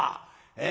え